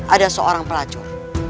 ada seorang pelacur